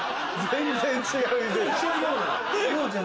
全然違う。